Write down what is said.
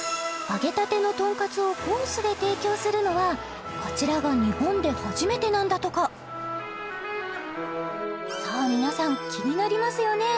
揚げたてのとんかつをコースで提供するのはこちらが日本で初めてなんだとかさあ皆さん気になりますよね